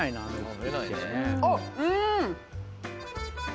あっうん！